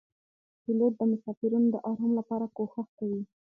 پیلوټ د مسافرینو د آرام لپاره کوښښ کوي.